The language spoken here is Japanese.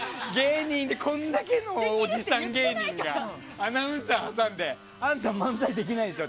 こんだけのおじさん芸人がアナウンサー挟んであんた漫才できないでしょ？